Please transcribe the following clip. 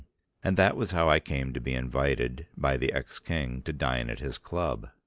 And that was how I came to be invited by the ex King to dine at his club.